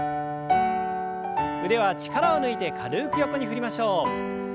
腕は力を抜いて軽く横に振りましょう。